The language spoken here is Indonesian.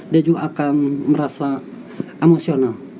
dia juga akan merasa emosional